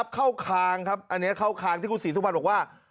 คางครับอันนี้เข้าคางที่คุณศรีสุวรรณบอกว่า